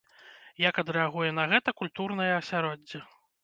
Як адрэагуе на гэта культурнае асяроддзе?